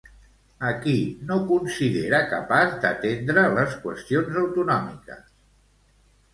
A qui no considera capaç d'atendre les qüestions autonòmiques?